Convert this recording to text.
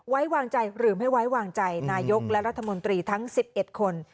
ไว้วางใจหรือไม่ไว้วางใจนายกและรัฐมนตรีทั้ง๑๑คน